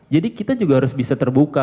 jadi kita juga harus bisa terbuka